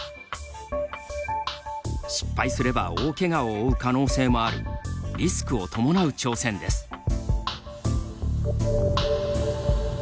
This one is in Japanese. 失敗すれば大けがを負う可能性もあるリスクを伴う挑戦です。